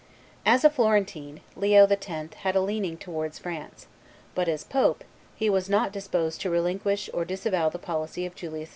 As a Florentine, Leo X. had a leaning towards France; but as pope, he was not disposed to relinquish or disavow the policy of Julius II.